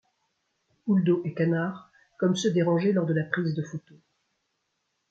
Poules d’eau et canards comme ceux dérangés lors de la prise de photos.